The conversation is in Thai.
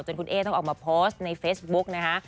คุณเอ๊ต้องออกมาโพสต์ในเฟซบุ๊กนะคะ